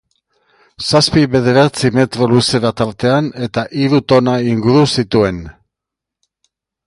Zazpi, bederatzi metro luzera tartean eta hiru tona inguru zituen.